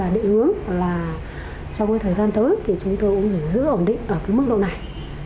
địa hướng là trong thời gian tới chúng tôi cũng sẽ giữ ổn định ở mức độ này